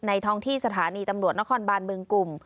ท้องที่สถานีตำรวจนครบานเมืองกลุ่ม